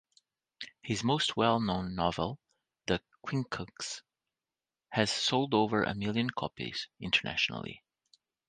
His most well-known novel, "The Quincunx", has sold over a million copies internationally.